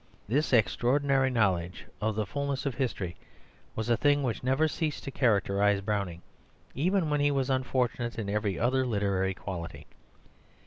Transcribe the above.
This extraordinary knowledge of the fulness of history was a thing which never ceased to characterise Browning even when he was unfortunate in every other literary quality.